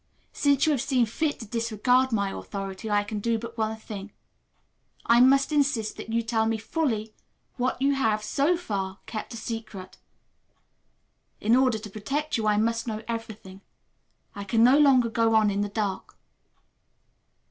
Since you have seen fit to disregard my authority I can do but one thing. I must insist that you will tell me fully what you have, so far, kept a secret. In order to protect you I must know everything. I can no longer go on in the dark."